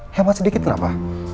hemat sedikit kenapa